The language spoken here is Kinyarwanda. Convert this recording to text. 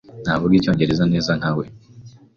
Ntavuga Icyongereza neza nkawe.